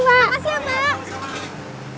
makasih ya pak